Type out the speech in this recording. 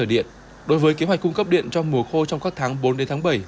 đối với kế hoạch cung cấp điện cho mùa khô trong các tháng bốn đến tháng bảy